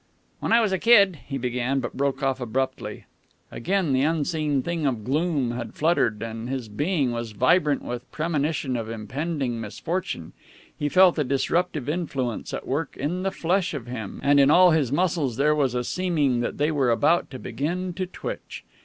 "When I was a kid " he began, but broke off abruptly. Again the unseen thing of gloom had fluttered, and his being was vibrant with premonition of impending misfortune. He felt a disruptive influence at work in the flesh of him, and in all his muscles there was a seeming that they were about to begin to twitch.